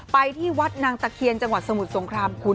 ไปที่วัดนางตะเคียนจังหวัดสมุทรสงครามคุณ